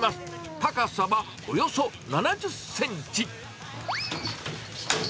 高さはおよそ７０センチ。